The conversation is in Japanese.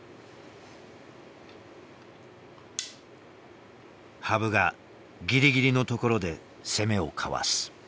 羽生がギリギリのところで攻めをかわす。